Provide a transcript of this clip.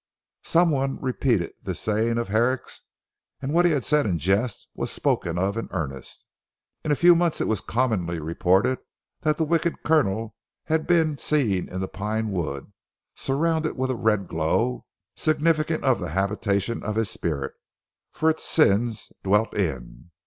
Some one repeated this saying of Herrick's, and what he had said in jest was spoken of in earnest. In a few months it was commonly reported that the Wicked Colonel had been seen in the Pine wood, surrounded with a red glow, significant of the habitation his spirit, for its sins, dwelt in.